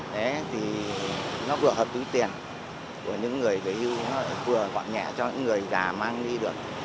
đấy thì nó vừa hợp túi tiền của những người về hưu nó vừa gọn nhẹ cho những người già mang đi được